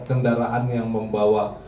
kendaraan yang membawa